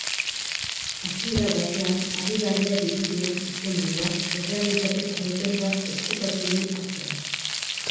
Hasiera batean harrigarria dirudien izenburuak, errealitate krudel bat ezkutatzen du atzean.